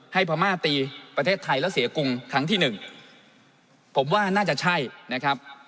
พม่าตีประเทศไทยแล้วเสียกรุงครั้งที่หนึ่งผมว่าน่าจะใช่นะครับ